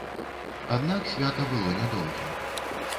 Аднак свята было нядоўгім.